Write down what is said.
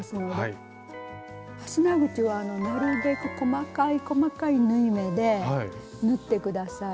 ファスナー口はなるべく細かい細かい縫い目で縫って下さい。